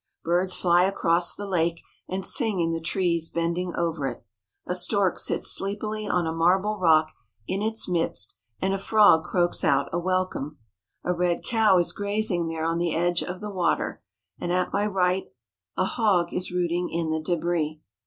Birds fly across the lake and sing in the trees bending over it. A stork sits sleepily on a marble rock in its midst and a frog croaks out a welcome. A red cow is grazing there on the edge of the water, and at my right a hog is rooting in the debris.